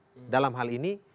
terkait dengan hal ini